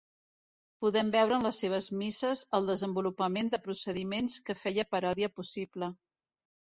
Podem veure en les seves misses el desenvolupament de procediments que feia paròdia possible.